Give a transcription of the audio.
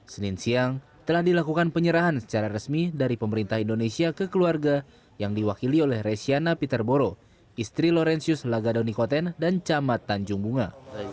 senin siang telah dilakukan penyerahan secara resmi dari pemerintah indonesia ke keluarga yang diwakili oleh resiana peterboro istri laurentius lagadonikoten dan camat tanjung bunga